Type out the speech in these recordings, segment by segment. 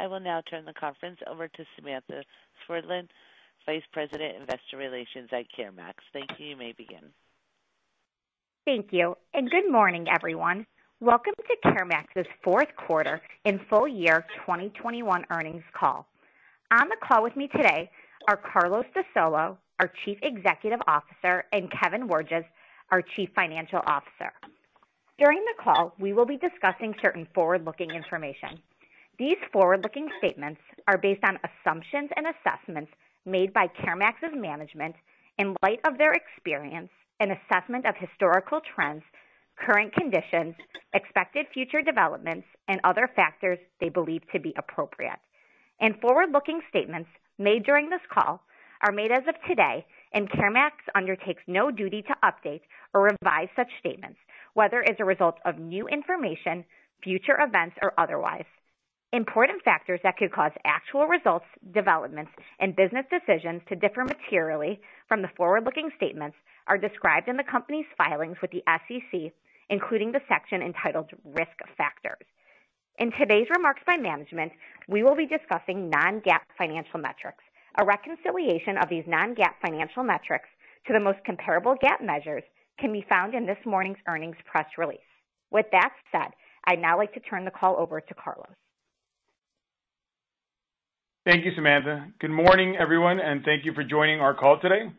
I will now turn the conference over to Samantha Swerdlin, Vice President, Investor Relations at CareMax. Thank you. You may begin. Thank you, and good morning, everyone. Welcome to CareMax's Fourth Quarter and Full Year 2021 Earnings Call. On the call with me today are Carlos de Solo, our Chief Executive Officer, and Kevin Wirges, our Chief Financial Officer. During the call, we will be discussing certain forward-looking information. These forward-looking statements are based on assumptions and assessments made by CareMax's management in light of their experience and assessment of historical trends, current conditions, expected future developments, and other factors they believe to be appropriate. Forward-looking statements made during this call are made as of today, and CareMax undertakes no duty to update or revise such statements, whether as a result of new information, future events, or otherwise. Important factors that could cause actual results, developments, and business decisions to differ materially from the forward-looking statements are described in the company's filings with the SEC, including the section entitled Risk Factors. In today's remarks by management, we will be discussing non-GAAP financial metrics. A reconciliation of these non-GAAP financial metrics to the most comparable GAAP measures can be found in this morning's earnings press release. With that said, I'd now like to turn the call over to Carlos. Thank you, Samantha. Good morning, everyone, and thank you for joining our call today.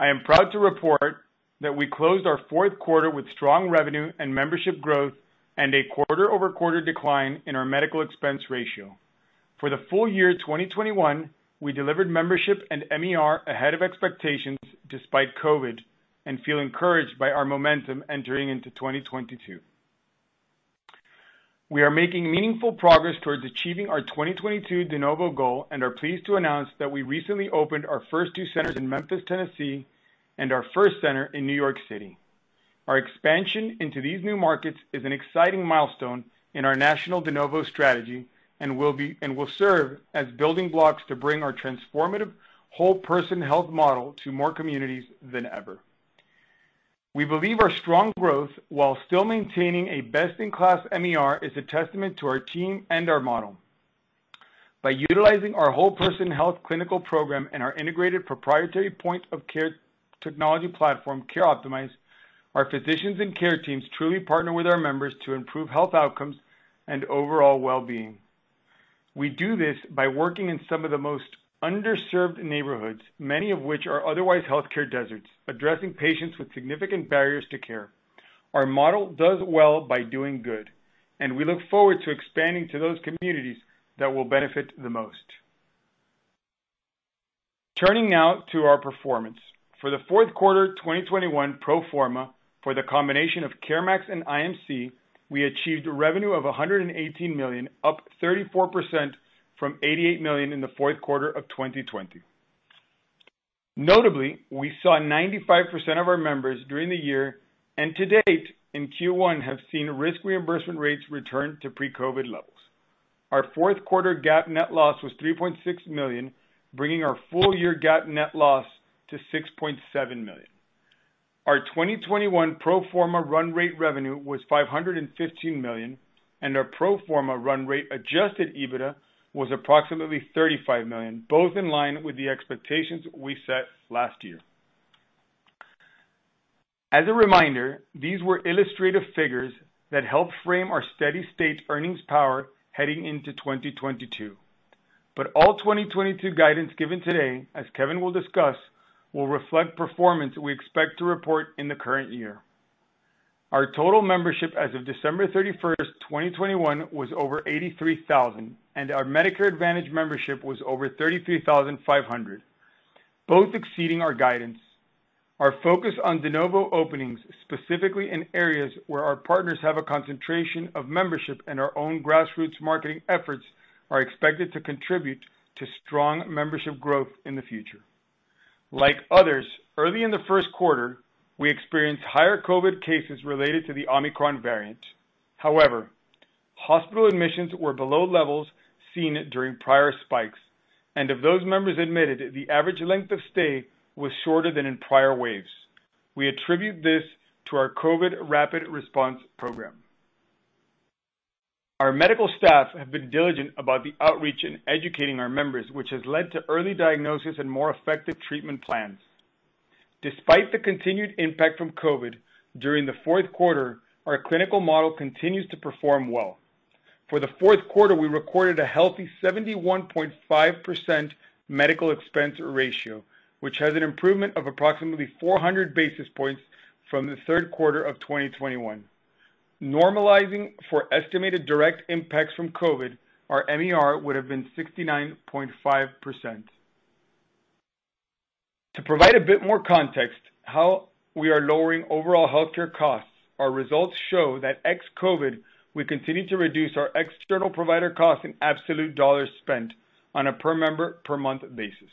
I am proud to report that we closed our fourth quarter with strong revenue and membership growth and a quarter-over-quarter decline in our medical expense ratio. For the full year 2021, we delivered membership and MER ahead of expectations despite COVID and feel encouraged by our momentum entering into 2022. We are making meaningful progress towards achieving our 2022 de novo goal and are pleased to announce that we recently opened our first two centers in Memphis, Tennessee, and our first center in New York City. Our expansion into these new markets is an exciting milestone in our national de novo strategy and will serve as building blocks to bring our transformative whole person health model to more communities than ever. We believe our strong growth, while still maintaining a best-in-class MER, is a testament to our team and our model. By utilizing our whole person health clinical program and our integrated proprietary point of care technology platform, CareOptimize, our physicians and care teams truly partner with our members to improve health outcomes and overall well-being. We do this by working in some of the most underserved neighborhoods, many of which are otherwise healthcare deserts, addressing patients with significant barriers to care. Our model does well by doing good, and we look forward to expanding to those communities that will benefit the most. Turning now to our performance. For the fourth quarter 2021 pro forma for the combination of CareMax and IMC, we achieved revenue of $118 million, up 34% from $88 million in the fourth quarter of 2020. Notably, we saw 95% of our members during the year and to date in Q1 have seen risk reimbursement rates return to pre-COVID levels. Our fourth quarter GAAP net loss was $3.6 million, bringing our full-year GAAP net loss to $6.7 million. Our 2021 pro forma run rate revenue was $515 million, and our pro forma run rate Adjusted EBITDA was approximately $35 million, both in line with the expectations we set last year. As a reminder, these were illustrative figures that help frame our steady state earnings power heading into 2022. All 2022 guidance given today, as Kevin will discuss, will reflect performance we expect to report in the current year. Our total membership as of December 31, 2021, was over 83,000, and our Medicare Advantage membership was over 33,500, both exceeding our guidance. Our focus on de novo openings, specifically in areas where our partners have a concentration of membership and our own grassroots marketing efforts, are expected to contribute to strong membership growth in the future. Like others, early in the first quarter, we experienced higher COVID cases related to the Omicron variant. However, hospital admissions were below levels seen during prior spikes, and of those members admitted, the average length of stay was shorter than in prior waves. We attribute this to our COVID rapid response program. Our medical staff have been diligent about the outreach in educating our members, which has led to early diagnosis and more effective treatment plans. Despite the continued impact from COVID during the fourth quarter, our clinical model continues to perform well. For the fourth quarter, we recorded a healthy 71.5 medical expense ratio, which has an improvement of approximately 400 basis points from the third quarter of 2021. Normalizing for estimated direct impacts from COVID, our MER would have been 69.5%. To provide a bit more context on how we are lowering overall healthcare costs, our results show that ex-COVID, we continue to reduce our external provider costs in absolute dollars spent on a per member per month basis.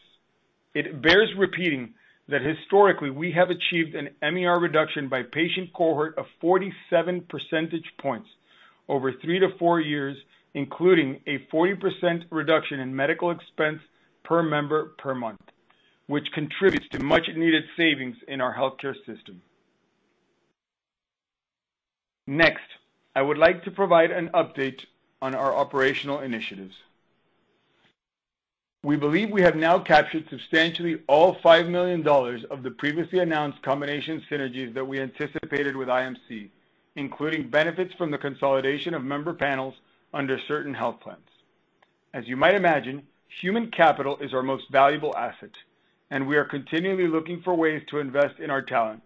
It bears repeating that historically, we have achieved an MER reduction by patient cohort of 47 percentage points over 3-4 years, including a 40% reduction in medical expense per member per month, which contributes to much needed savings in our healthcare system. Next, I would like to provide an update on our operational initiatives. We believe we have now captured substantially all $5 million of the previously announced combination synergies that we anticipated with IMC, including benefits from the consolidation of member panels under certain health plans. As you might imagine, human capital is our most valuable asset, and we are continually looking for ways to invest in our talent.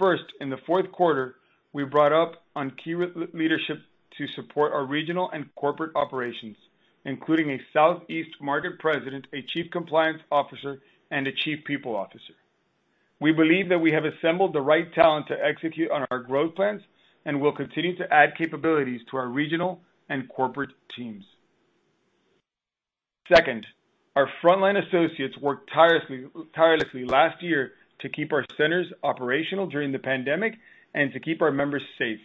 First, in the fourth quarter, we brought on key leadership to support our regional and corporate operations, including a Southeast Market President, a Chief Compliance Officer, and a Chief People Officer. We believe that we have assembled the right talent to execute on our growth plans and will continue to add capabilities to our regional and corporate teams. Second, our frontline associates worked tirelessly last year to keep our centers operational during the pandemic and to keep our members safe.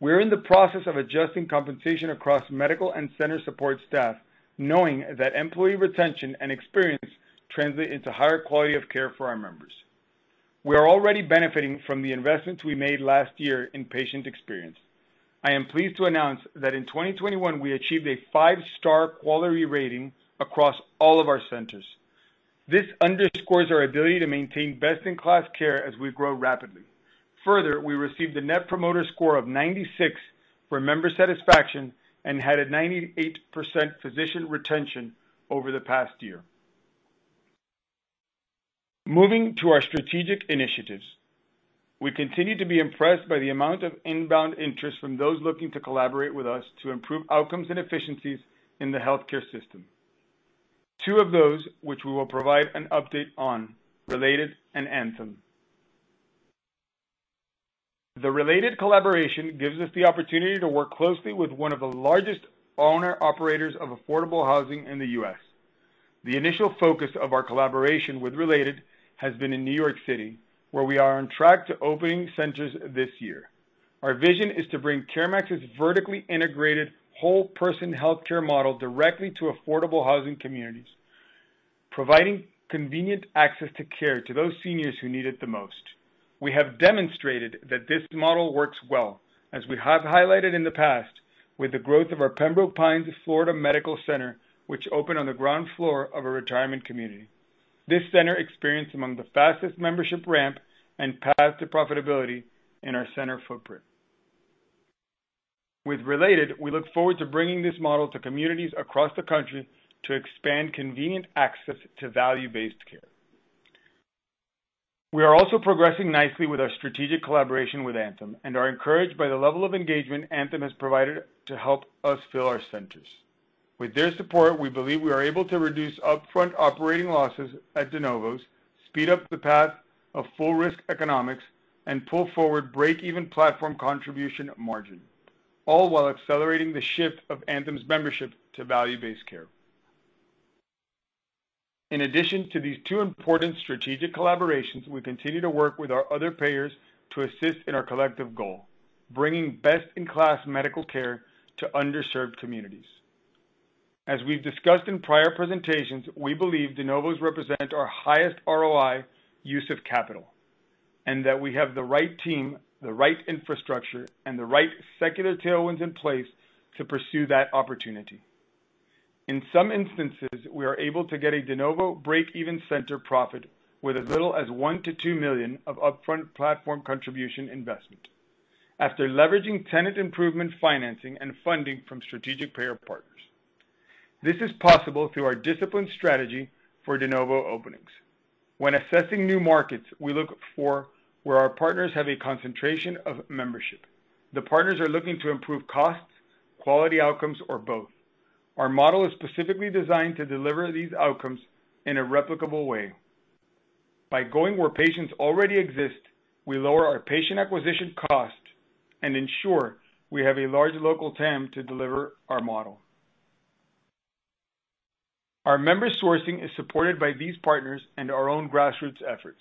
We're in the process of adjusting compensation across medical and center support staff, knowing that employee retention and experience translate into higher quality of care for our members. We are already benefiting from the investments we made last year in patient experience. I am pleased to announce that in 2021, we achieved a five-star quality rating across all of our centers. This underscores our ability to maintain best-in-class care as we grow rapidly. Further, we received a Net Promoter Score of 96 for member satisfaction and had a 98% physician retention over the past year. Moving to our strategic initiatives. We continue to be impressed by the amount of inbound interest from those looking to collaborate with us to improve outcomes and efficiencies in the healthcare system. Two of those which we will provide an update on, Related and Anthem. The Related collaboration gives us the opportunity to work closely with one of the largest owner-operators of affordable housing in the U.S. The initial focus of our collaboration with Related has been in New York City, where we are on track to opening centers this year. Our vision is to bring CareMax's vertically integrated whole person healthcare model directly to affordable housing communities, providing convenient access to care to those seniors who need it the most. We have demonstrated that this model works well, as we have highlighted in the past with the growth of our Pembroke Pines, Florida Medical Center, which opened on the ground floor of a retirement community. This center experienced among the fastest membership ramp and path to profitability in our center footprint. With Related, we look forward to bringing this model to communities across the country to expand convenient access to value-based care. We are also progressing nicely with our strategic collaboration with Anthem and are encouraged by the level of engagement Anthem has provided to help us fill our centers. With their support, we believe we are able to reduce upfront operating losses at de novos, speed up the path of full risk economics, and pull forward break-even platform contribution margin, all while accelerating the shift of Anthem's membership to value-based care. In addition to these two important strategic collaborations, we continue to work with our other payers to assist in our collective goal, bringing best-in-class medical care to underserved communities. As we've discussed in prior presentations, we believe de novos represent our highest ROI use of capital, and that we have the right team, the right infrastructure, and the right secular tailwinds in place to pursue that opportunity. In some instances, we are able to get a de novo break-even center profit with as little as $1 million-$2 million of upfront platform contribution investment after leveraging tenant improvement financing and funding from strategic payer partners. This is possible through our disciplined strategy for de novo openings. When assessing new markets, we look for where our partners have a concentration of membership. The partners are looking to improve costs, quality outcomes, or both. Our model is specifically designed to deliver these outcomes in a replicable way. By going where patients already exist, we lower our patient acquisition cost and ensure we have a large local team to deliver our model. Our member sourcing is supported by these partners and our own grassroots efforts.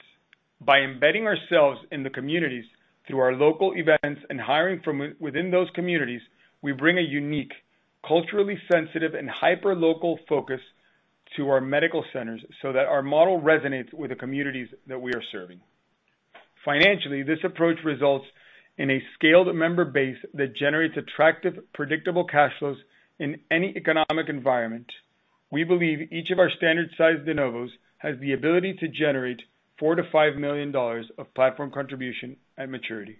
By embedding ourselves in the communities through our local events and hiring from within those communities, we bring a unique, culturally sensitive, and hyperlocal focus to our medical centers so that our model resonates with the communities that we are serving. Financially, this approach results in a scaled member base that generates attractive, predictable cash flows in any economic environment. We believe each of our standard-sized de novos has the ability to generate $4 million-$5 million of platform contribution at maturity.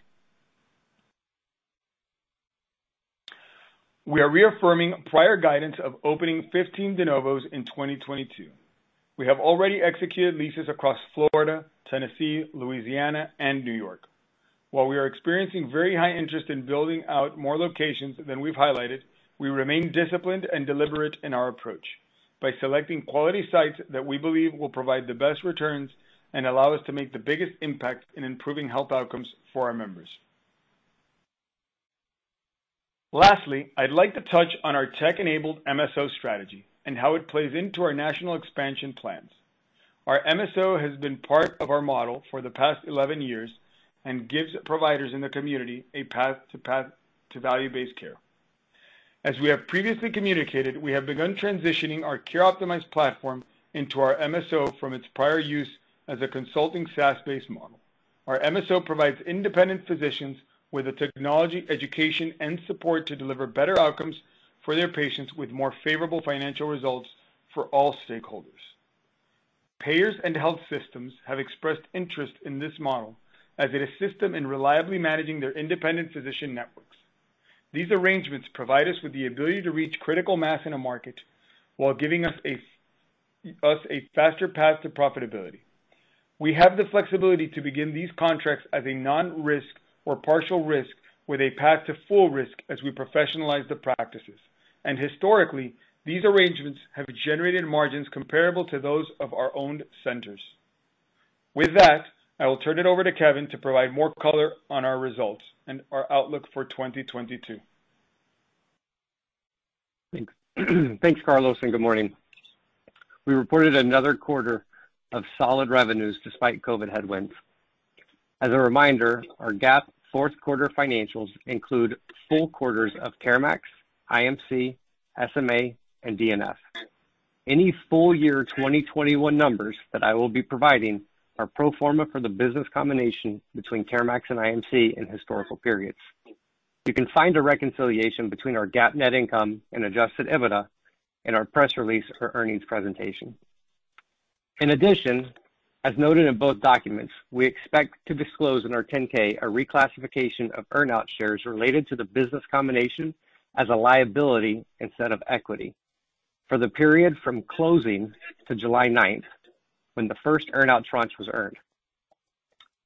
We are reaffirming prior guidance of opening 15 de novos in 2022. We have already executed leases across Florida, Tennessee, Louisiana, and New York. While we are experiencing very high interest in building out more locations than we've highlighted, we remain disciplined and deliberate in our approach by selecting quality sites that we believe will provide the best returns and allow us to make the biggest impact in improving health outcomes for our members. Lastly, I'd like to touch on our tech-enabled MSO strategy and how it plays into our national expansion plans. Our MSO has been part of our model for the past 11 years and gives providers in the community a path to value-based care. As we have previously communicated, we have begun transitioning our CareOptimize platform into our MSO from its prior use as a consulting SaaS-based model. Our MSO provides independent physicians with the technology, education, and support to deliver better outcomes for their patients with more favorable financial results for all stakeholders. Payers and health systems have expressed interest in this model as it assists them in reliably managing their independent physician networks. These arrangements provide us with the ability to reach critical mass in a market while giving us a faster path to profitability. We have the flexibility to begin these contracts as a non-risk or partial risk with a path to full risk as we professionalize the practices. Historically, these arrangements have generated margins comparable to those of our owned centers. With that, I will turn it over to Kevin to provide more color on our results and our outlook for 2022. Thanks, Carlos, and good morning. We reported another quarter of solid revenues despite COVID headwinds. As a reminder, our GAAP fourth quarter financials include full quarters of CareMax, IMC, SMA, and DNF. Any full year 2021 numbers that I will be providing are pro forma for the business combination between CareMax and IMC in historical periods. You can find a reconciliation between our GAAP net income and Adjusted EBITDA in our press release or earnings presentation. In addition, as noted in both documents, we expect to disclose in our 10-K a reclassification of earn-out shares related to the business combination as a liability instead of equity for the period from closing to July 9th, when the first earn-out tranche was earned.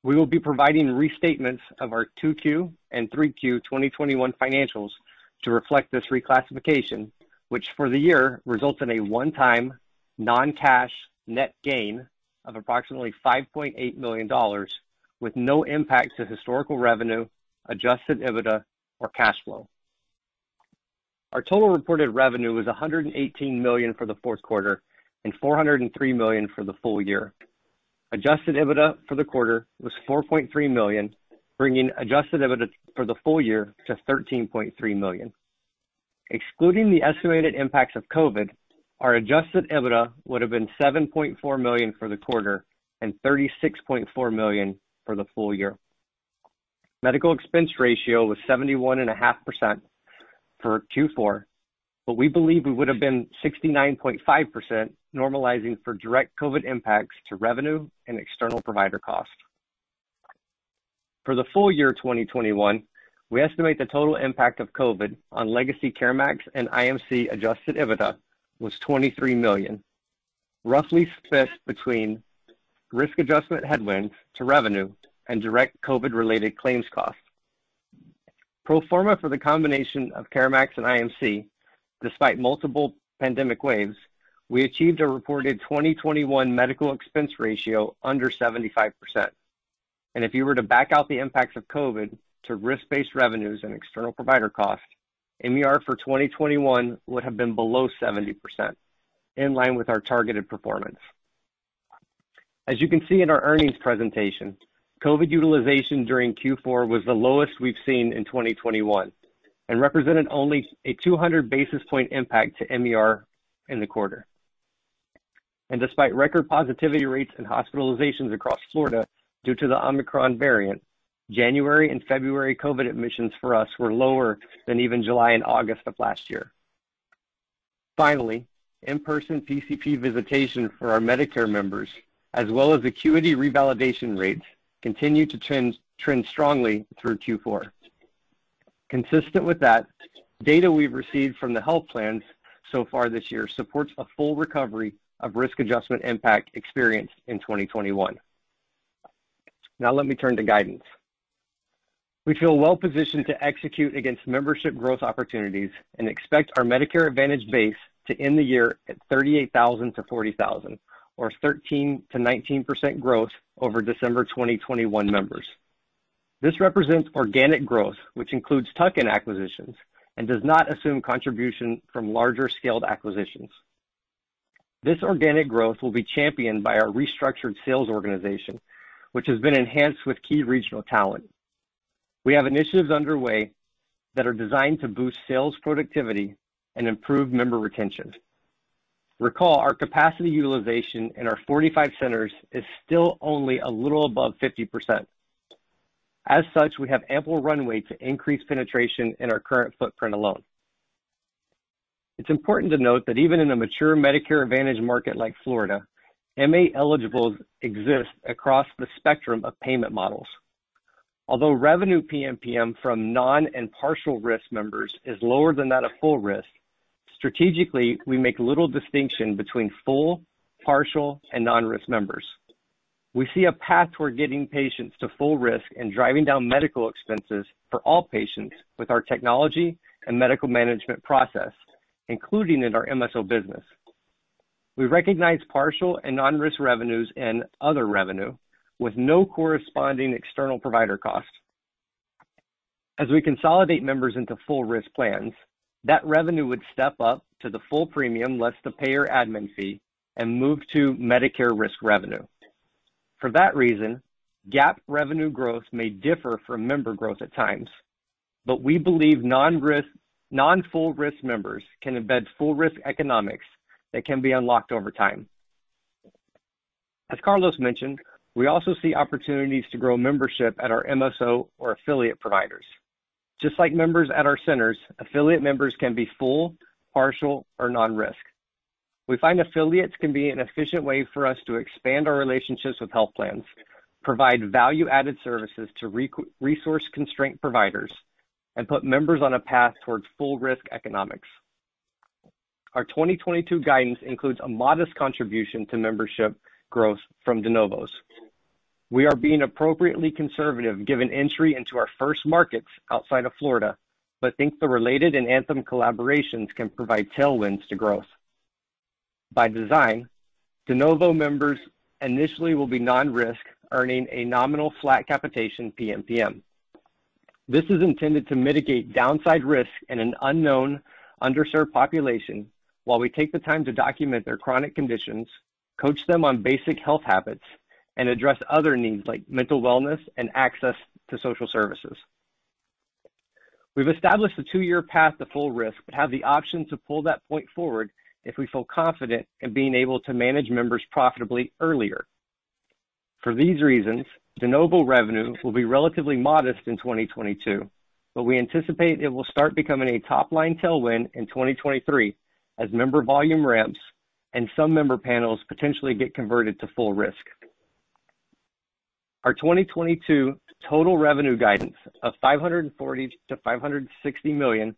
We will be providing restatements of our 2Q and 3Q 2021 financials to reflect this reclassification, which for the year results in a one-time non-cash net gain of approximately $5.8 million with no impact to historical revenue, Adjusted EBITDA or cash flow. Our total reported revenue was $118 million for the fourth quarter and $403 million for the full year. Adjusted EBITDA for the quarter was $4.3 million, bringing Adjusted EBITDA for the full year to $13.3 million. Excluding the estimated impacts of COVID, our Adjusted EBITDA would have been $7.4 million for the quarter and $36.4 million for the full year. Medical expense ratio was 71.5% for Q4, but we believe it would have been 69.5% normalizing for direct COVID impacts to revenue and external provider costs. For the full year 2021, we estimate the total impact of COVID on legacy CareMax and IMC Adjusted EBITDA was $23 million, roughly split between risk adjustment headwinds to revenue and direct COVID-related claims costs. Pro forma for the combination of CareMax and IMC, despite multiple pandemic waves, we achieved a reported 2021 medical expense ratio under 75%. If you were to back out the impacts of COVID to risk-based revenues and external provider costs, MER for 2021 would have been below 70%, in line with our targeted performance. As you can see in our earnings presentation, COVID utilization during Q4 was the lowest we've seen in 2021 and represented only a 200 basis point impact to MER in the quarter. Despite record positivity rates and hospitalizations across Florida due to the Omicron variant, January and February COVID admissions for us were lower than even July and August of last year. Finally, in-person PCP visitation for our Medicare members, as well as acuity revalidation rates, continued to trend strongly through Q4. Consistent with that, data we've received from the health plans so far this year supports a full recovery of risk adjustment impact experienced in 2021. Now let me turn to guidance. We feel well positioned to execute against membership growth opportunities and expect our Medicare Advantage base to end the year at 38,000-40,000 or 13%-19% growth over December 2021 members. This represents organic growth, which includes tuck-in acquisitions and does not assume contribution from larger scaled acquisitions. This organic growth will be championed by our restructured sales organization, which has been enhanced with key regional talent. We have initiatives underway that are designed to boost sales productivity and improve member retention. Recall, our capacity utilization in our 45 centers is still only a little above 50%. As such, we have ample runway to increase penetration in our current footprint alone. It's important to note that even in a mature Medicare Advantage market like Florida, MA eligibles exist across the spectrum of payment models. Although revenue PMPM from non and partial risk members is lower than that of full risk, strategically, we make little distinction between full, partial, and non-risk members. We see a path toward getting patients to full risk and driving down medical expenses for all patients with our technology and medical management process, including in our MSO business. We recognize partial and non-risk revenues and other revenue with no corresponding external provider costs. As we consolidate members into full risk plans, that revenue would step up to the full premium less the payer admin fee and move to Medicare risk revenue. For that reason, GAAP revenue growth may differ from member growth at times, but we believe non-full risk members can embed full risk economics that can be unlocked over time. As Carlos mentioned, we also see opportunities to grow membership at our MSO or affiliate providers. Just like members at our centers, affiliate members can be full, partial, or non-risk. We find affiliates can be an efficient way for us to expand our relationships with health plans, provide value-added services to resource-constrained providers, and put members on a path towards full risk economics. Our 2022 guidance includes a modest contribution to membership growth from de novos. We are being appropriately conservative given entry into our first markets outside of Florida, but think the Related and Anthem collaborations can provide tailwinds to growth. By design, de novo members initially will be non-risk, earning a nominal flat capitation PMPM. This is intended to mitigate downside risk in an unknown, underserved population while we take the time to document their chronic conditions, coach them on basic health habits, and address other needs like mental wellness and access to social services. We've established a 2-year path to full risk, but have the option to pull that point forward if we feel confident in being able to manage members profitably earlier. For these reasons, de novo revenue will be relatively modest in 2022, but we anticipate it will start becoming a top-line tailwind in 2023 as member volume ramps and some member panels potentially get converted to full risk. Our 2022 total revenue guidance of $540 million-$560 million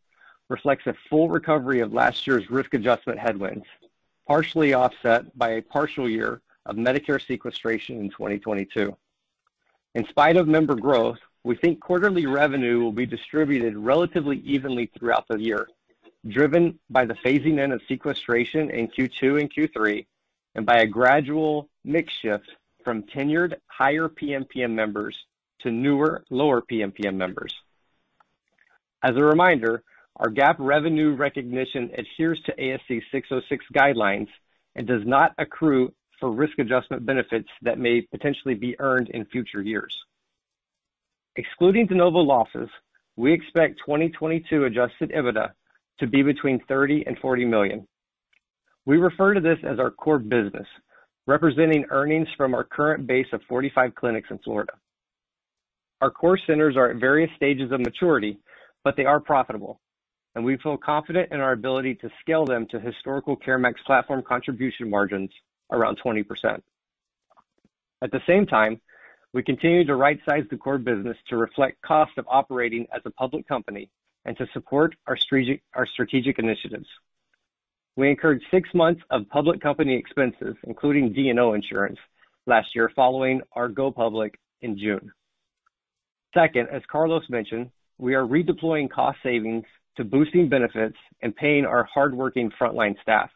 reflects a full recovery of last year's risk adjustment headwinds, partially offset by a partial year of Medicare sequestration in 2022. In spite of member growth, we think quarterly revenue will be distributed relatively evenly throughout the year, driven by the phasing in of sequestration in Q2 and Q3, and by a gradual mix shift from tenured higher PMPM members to newer, lower PMPM members. As a reminder, our GAAP revenue recognition adheres to ASC 606 guidelines and does not accrue for risk adjustment benefits that may potentially be earned in future years. Excluding de novo losses, we expect 2022 Adjusted EBITDA to be between $30 million and $40 million. We refer to this as our core business, representing earnings from our current base of 45 clinics in Florida. Our core centers are at various stages of maturity, but they are profitable, and we feel confident in our ability to scale them to historical CareMax platform contribution margins around 20%. At the same time, we continue to right-size the core business to reflect cost of operating as a public company and to support our strategic initiatives. We incurred six months of public company expenses, including D&O insurance, last year following our going public in June. Second, as Carlos mentioned, we are redeploying cost savings to boosting benefits and paying our hardworking frontline staff.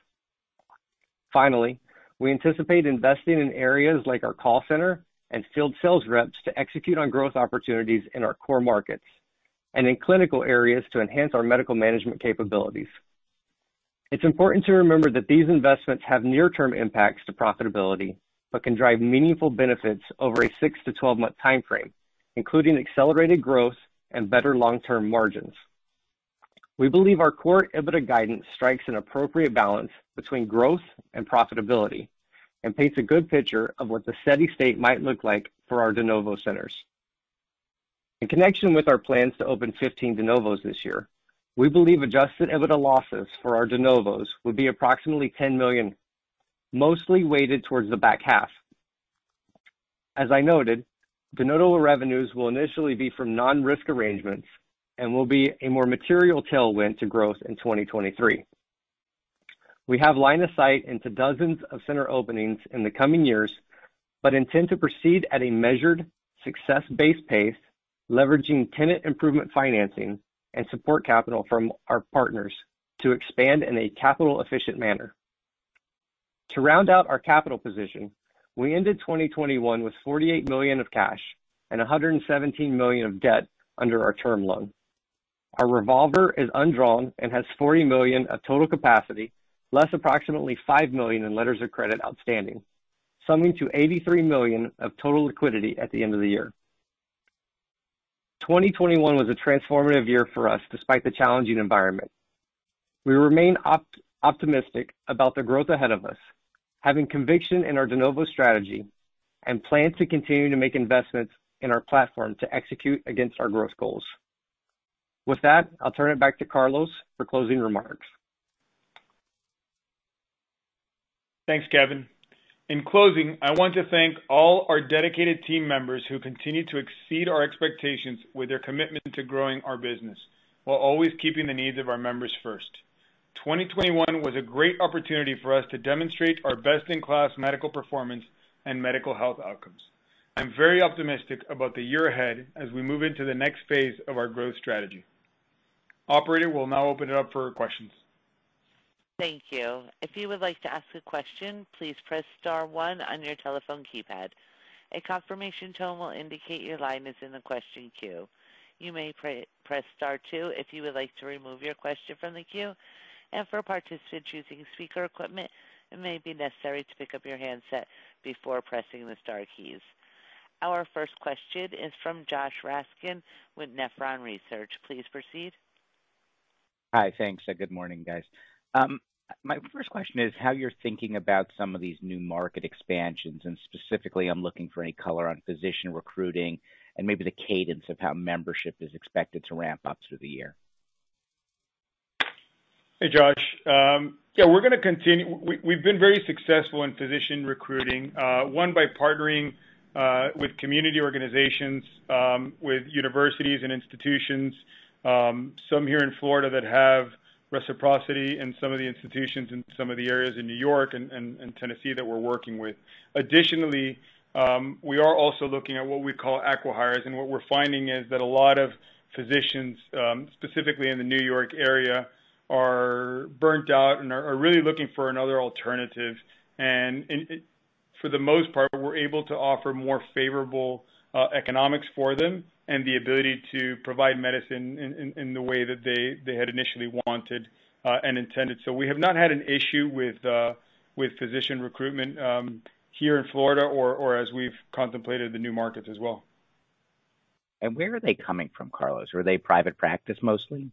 Finally, we anticipate investing in areas like our call center and field sales reps to execute on growth opportunities in our core markets and in clinical areas to enhance our medical management capabilities. It's important to remember that these investments have near-term impacts to profitability but can drive meaningful benefits over a 6- to 12-month time frame, including accelerated growth and better long-term margins. We believe our core EBITDA guidance strikes an appropriate balance between growth and profitability and paints a good picture of what the steady state might look like for our de novo centers. In connection with our plans to open 15 de novos this year, we believe Adjusted EBITDA losses for our de novos will be approximately $10 million, mostly weighted towards the back half. As I noted, de novo revenues will initially be from non-risk arrangements and will be a more material tailwind to growth in 2023. We have line of sight into dozens of center openings in the coming years, but intend to proceed at a measured, success-based pace, leveraging tenant improvement financing and support capital from our partners to expand in a capital-efficient manner. To round out our capital position, we ended 2021 with $48 million of cash and $117 million of debt under our term loan. Our revolver is undrawn and has $40 million of total capacity, less approximately $5 million in letters of credit outstanding, summing to $83 million of total liquidity at the end of the year. 2021 was a transformative year for us despite the challenging environment. We remain optimistic about the growth ahead of us, having conviction in our de novo strategy and plan to continue to make investments in our platform to execute against our growth goals. With that, I'll turn it back to Carlos for closing remarks. Thanks, Kevin. In closing, I want to thank all our dedicated team members who continue to exceed our expectations with their commitment to growing our business while always keeping the needs of our members first. 2021 was a great opportunity for us to demonstrate our best-in-class medical performance and medical health outcomes. I'm very optimistic about the year ahead as we move into the next phase of our growth strategy. Operator, we'll now open it up for questions. Thank you. If you would like to ask a question, please press star one on your telephone keypad. A confirmation tone will indicate your line is in the question queue. You may pr-press star two if you would like to remove your question from the queue. And for participants using speaker equipment, it may be necessary to pick up your handset before pressing the star keys. Our first question is from Josh Raskin with Nephron Research. Please proceed. Hi. Thanks, and good morning, guys. My first question is how you're thinking about some of these new market expansions, and specifically I'm looking for any color on physician recruiting and maybe the cadence of how membership is expected to ramp up through the year. Hey, Josh. We've been very successful in physician recruiting by partnering with community organizations with universities and institutions some here in Florida that have reciprocity in some of the institutions in some of the areas in New York and Tennessee that we're working with. Additionally, we are also looking at what we call acqui-hires, and what we're finding is that a lot of physicians specifically in the New York area are burned out and are really looking for another alternative. For the most part, we're able to offer more favorable economics for them and the ability to provide medicine in the way that they had initially wanted and intended. We have not had an issue with physician recruitment here in Florida or as we've contemplated the new markets as well. Where are they coming from, Carlos? Were they private practice mostly?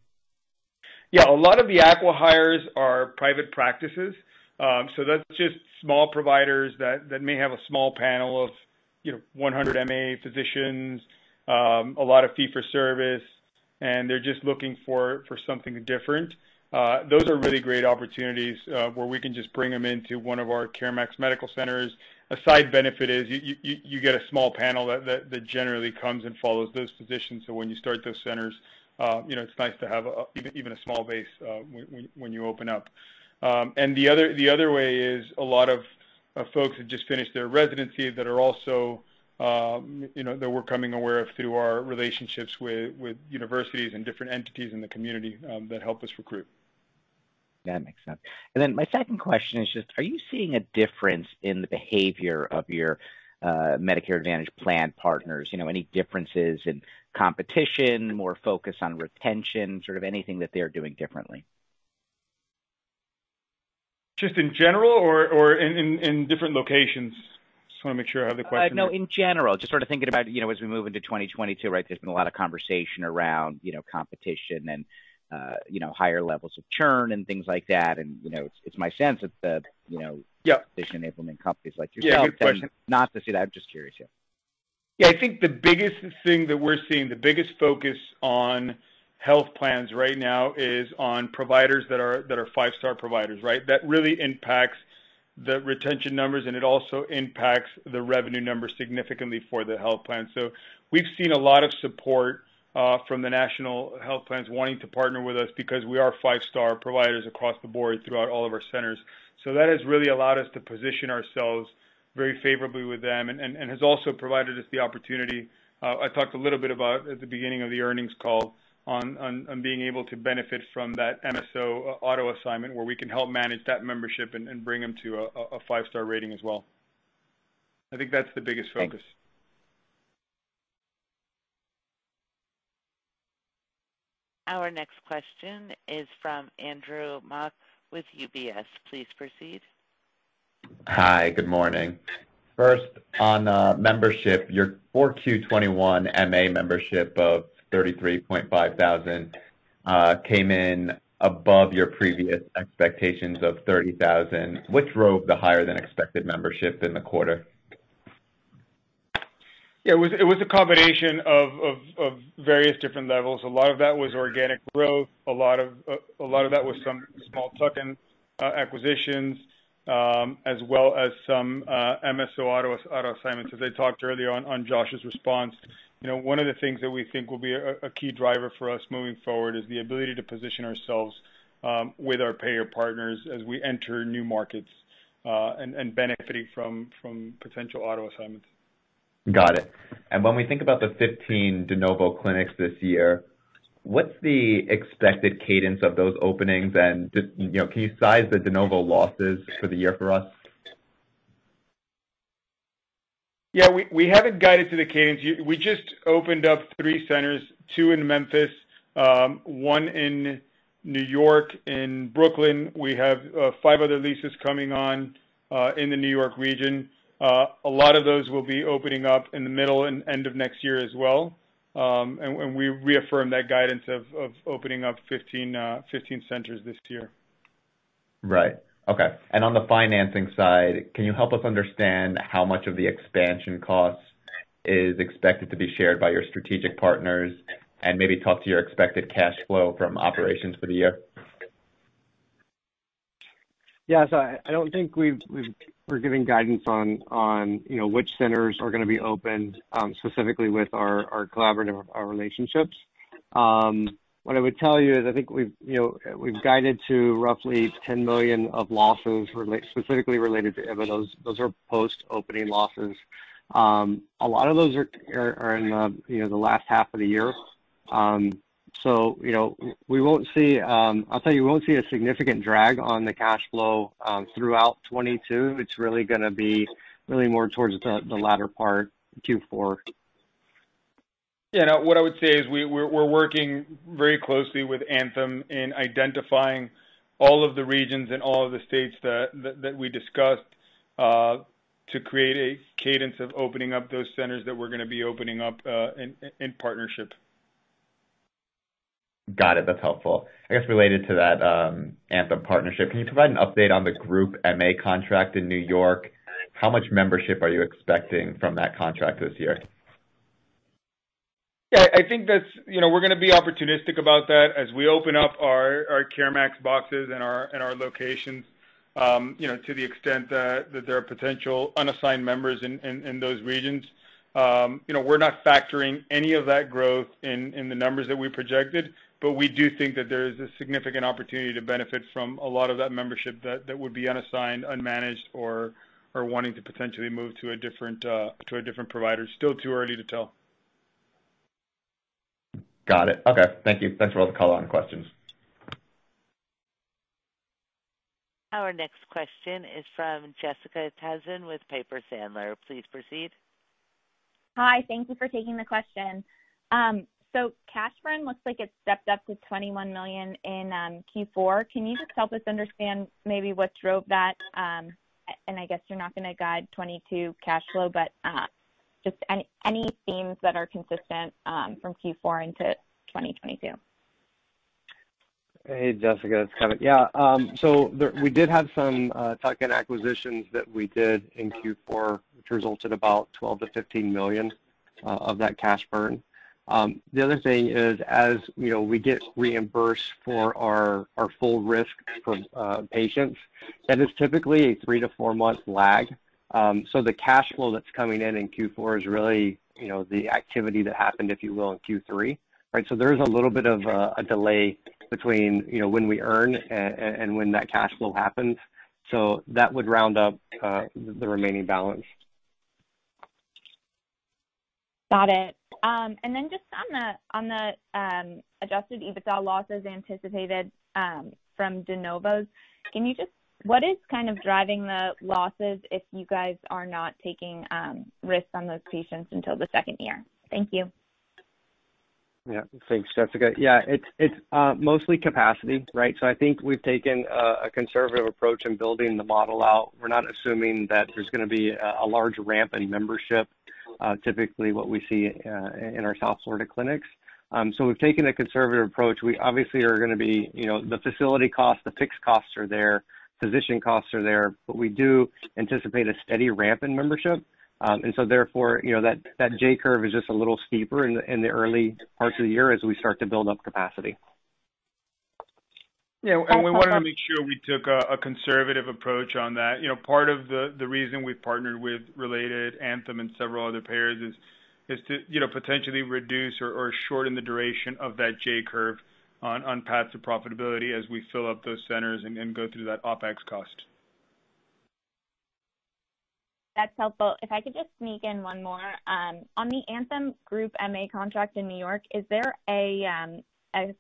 Yeah. A lot of the acqui-hires are private practices. So that's just small providers that may have a small panel of, you know, 100 MA physicians, a lot of fee for service, and they're just looking for something different. Those are really great opportunities where we can just bring them into one of our CareMax medical centers. A side benefit is you get a small panel that generally comes and follows those physicians. So when you start those centers, you know, it's nice to have even a small base when you open up. The other way is a lot of folks who just finished their residency that are also, you know, that we're becoming aware of through our relationships with universities and different entities in the community that help us recruit. That makes sense. My second question is just, are you seeing a difference in the behavior of your Medicare Advantage plan partners? You know, any differences in competition, more focus on retention, sort of anything that they're doing differently? Just in general or in different locations? Just wanna make sure I have the question. No, in general. Just sort of thinking about, you know, as we move into 2022, right? There's been a lot of conversation around, you know, competition and, you know, higher levels of churn and things like that. You know, it's my sense that, you know- Yeah patient enablement companies like yourself. Yeah. Good question. Not to see that. I'm just curious here. Yeah. I think the biggest thing that we're seeing, the biggest focus on health plans right now is on providers that are five-star providers, right? That really impacts the retention numbers, and it also impacts the revenue numbers significantly for the health plan. We've seen a lot of support from the national health plans wanting to partner with us because we are five-star providers across the board throughout all of our centers. That has really allowed us to position ourselves very favorably with them and has also provided us the opportunity I talked a little bit about at the beginning of the earnings call on being able to benefit from that MSO auto assignment, where we can help manage that membership and bring them to a five-star rating as well. I think that's the biggest focus. Thank you. Our next question is from Andrew Mok with UBS. Please proceed. Hi. Good morning. First, on membership, your 4Q 2021 MA membership of 33,500 came in above your previous expectations of 30,000, which drove the higher than expected membership in the quarter. It was a combination of various different levels. A lot of that was organic growth. A lot of that was some small tuck-in acquisitions, as well as some MSO auto assignments, as I talked earlier on Josh's response. You know, one of the things that we think will be a key driver for us moving forward is the ability to position ourselves with our payer partners as we enter new markets, and benefiting from potential auto assignments. Got it. When we think about the 15 de novo clinics this year, what's the expected cadence of those openings? Just, you know, can you size the de novo losses for the year for us? We haven't guided to the cadence yet. We just opened up three centers, two in Memphis, one in New York, in Brooklyn. We have 5 other leases coming on in the New York region. A lot of those will be opening up in the middle and end of next year as well. We reaffirm that guidance of opening up 15 centers this year. Right. Okay. On the financing side, can you help us understand how much of the expansion costs is expected to be shared by your strategic partners and maybe talk to your expected cash flow from operations for the year? Yes. I don't think we're giving guidance on, you know, which centers are gonna be opened, specifically with our collaborative relationships. What I would tell you is I think we've guided to roughly $10 million of losses specifically related to Eva. Those are post-opening losses. A lot of those are in the last half of the year. We won't see, I'll tell you, we won't see a significant drag on the cash flow throughout 2022. It's really gonna be more towards the latter part, Q4. Yeah, no, what I would say is we're working very closely with Anthem in identifying all of the regions and all of the states that we discussed to create a cadence of opening up those centers that we're gonna be opening up in partnership. Got it. That's helpful. I guess related to that, Anthem partnership, can you provide an update on the group MA contract in New York? How much membership are you expecting from that contract this year? Yeah, I think that's, you know, we're gonna be opportunistic about that as we open up our CareMax boxes and our locations, you know, to the extent that there are potential unassigned members in those regions. You know, we're not factoring any of that growth in the numbers that we projected, but we do think that there is a significant opportunity to benefit from a lot of that membership that would be unassigned, unmanaged, or wanting to potentially move to a different provider. Still too early to tell. Got it. Okay. Thank you. Thanks for all the questions on the call. Our next question is from Jessica Tassan with Piper Sandler. Please proceed. Hi, thank you for taking the question. Cash burn looks like it stepped up to $21 million in Q4. Can you just help us understand maybe what drove that? I guess you're not gonna guide 2022 cash flow, but just any themes that are consistent from Q4 into 2022. Hey, Jessica. It's Kevin. Yeah. So there we did have some tuck-in acquisitions that we did in Q4, which resulted in about $12 million-$15 million of that cash burn. The other thing is, as you know, we get reimbursed for our full risk for patients, that is typically a 3-4 month lag. So the cash flow that's coming in in Q4 is really, you know, the activity that happened, if you will, in Q3. Right? So there's a little bit of a delay between, you know, when we earn and when that cash flow happens. So that would round up the remaining balance. Got it. Just on the Adjusted EBITDA losses anticipated from de novos, what is kind of driving the losses if you guys are not taking risks on those patients until the second year? Thank you. Yeah. Thanks, Jessica. Yeah, it's mostly capacity, right? I think we've taken a conservative approach in building the model out. We're not assuming that there's gonna be a large ramp in membership, typically what we see in our South Florida clinics. We've taken a conservative approach. We obviously are gonna be, you know, the facility costs, the fixed costs are there, physician costs are there, but we do anticipate a steady ramp in membership. Therefore, you know, that J-curve is just a little steeper in the early parts of the year as we start to build up capacity. Yeah. We wanna make sure we took a conservative approach on that. You know, part of the reason we partnered with Related, Anthem, and several other payers is to, you know, potentially reduce or shorten the duration of that J-curve on path to profitability as we fill up those centers and go through that OpEx cost. That's helpful. If I could just sneak in one more. On the Anthem group MA contract in New York, is there a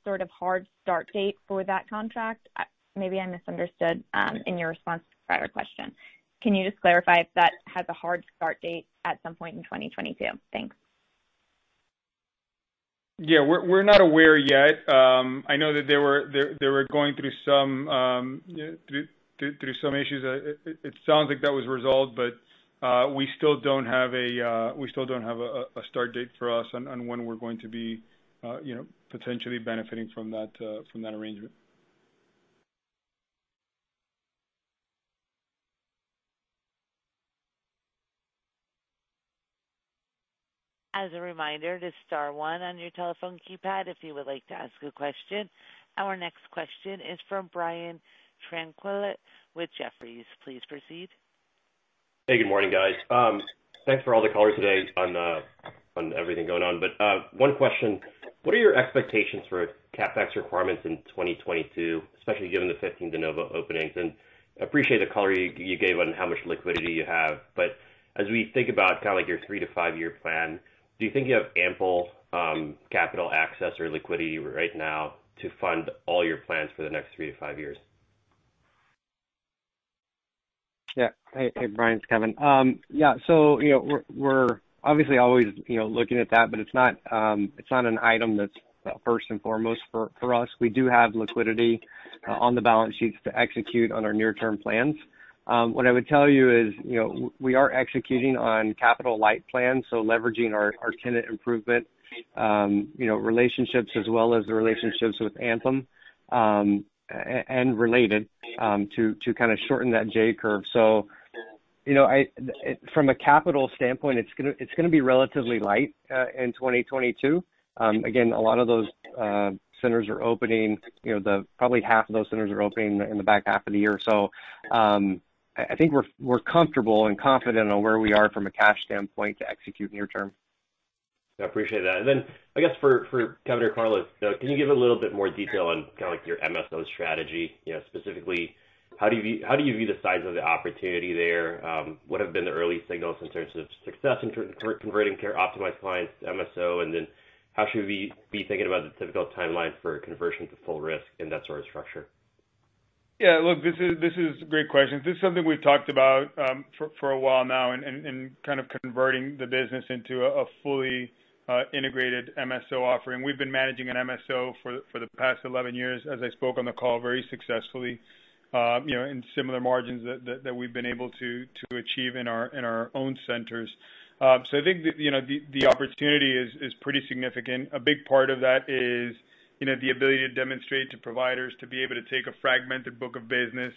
sort of hard start date for that contract? Maybe I misunderstood in your response to the prior question. Can you just clarify if that has a hard start date at some point in 2022? Thanks. Yeah. We're not aware yet. I know that they were going through some issues. It sounds like that was resolved, but we still don't have a start date for us on when we're going to be you know, potentially benefiting from that arrangement. As a reminder, it is star one on your telephone keypad if you would like to ask a question. Our next question is from Brian Tanquilut with Jefferies. Please proceed. Hey, good morning, guys. Thanks for all the color today on everything going on. One question: What are your expectations for CapEx requirements in 2022, especially given the 15 de novo openings? Appreciate the color you gave on how much liquidity you have. As we think about kinda like your 3- to 5-year plan, do you think you have ample capital access or liquidity right now to fund all your plans for the next 3 to 5 years? Yeah. Hey, Brian, it's Kevin. Yeah, so you know, we're obviously always you know looking at that, but it's not an item that's first and foremost for us. We do have liquidity on the balance sheets to execute on our near-term plans. What I would tell you is, you know, we are executing on capital light plans, so leveraging our tenant improvement you know relationships as well as the relationships with Anthem and Related to kinda shorten that J-curve. So, you know, from a capital standpoint, it's gonna be relatively light in 2022. Again, a lot of those centers are opening, you know, probably half of those centers are opening in the back half of the year. I think we're comfortable and confident on where we are from a cash standpoint to execute near term. I appreciate that. I guess for Kevin or Carlos, can you give a little bit more detail on kinda like your MSO strategy? You know, specifically, how do you view the size of the opportunity there? What have been the early signals in terms of success in converting CareOptimize clients to MSO? How should we be thinking about the typical timeline for conversion to full risk in that sort of structure? Yeah, look, these are great questions. This is something we've talked about for a while now and kind of converting the business into a fully integrated MSO offering. We've been managing an MSO for the past 11 years, as I spoke on the call very successfully, you know, in similar margins that we've been able to achieve in our own centers. I think the opportunity is pretty significant. A big part of that is, you know, the ability to demonstrate to providers to be able to take a fragmented book of business,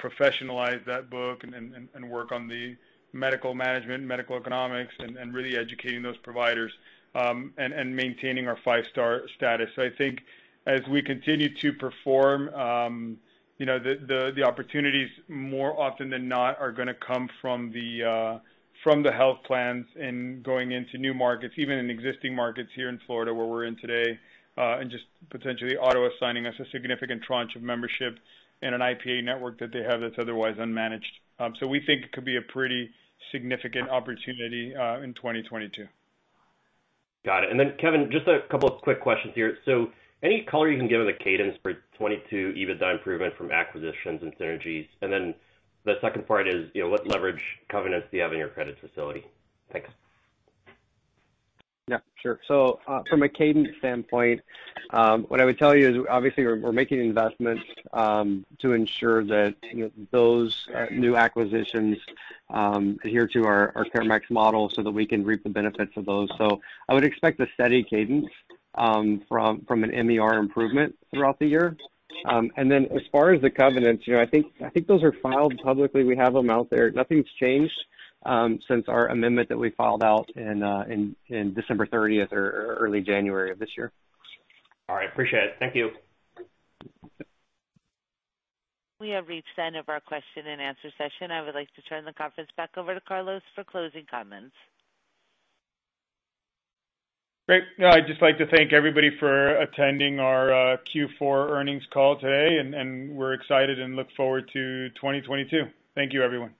professionalize that book and work on the medical management, medical economics, and really educating those providers, and maintaining our five-star status. I think as we continue to perform, you know, the opportunities more often than not are gonna come from the health plans and going into new markets, even in existing markets here in Florida, where we're in today, and just potentially auto assigning us a significant tranche of membership in an IPA network that they have that's otherwise unmanaged. We think it could be a pretty significant opportunity in 2022. Got it. Then, Kevin, just a couple of quick questions here. Any color you can give on the cadence for 22 EBITDA improvement from acquisitions and synergies? Then the second part is, you know, what leverage covenants do you have in your credit facility? Thanks. Yeah, sure. From a cadence standpoint, what I would tell you is obviously we're making investments to ensure that, you know, those new acquisitions adhere to our CareMax model so that we can reap the benefits of those. I would expect a steady cadence from an MER improvement throughout the year. As far as the covenants, you know, I think those are filed publicly. We have them out there. Nothing's changed since our amendment that we filed out in December 30 or early January of this year. All right. Appreciate it. Thank you. We have reached the end of our question and answer session. I would like to turn the conference back over to Carlos for closing comments. Great. Yeah, I'd just like to thank everybody for attending our Q4 earnings call today, and we're excited and look forward to 2022. Thank you, everyone.